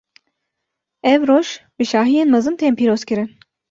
Ev roj, bi şahiyên mezin tên pîrozkirin.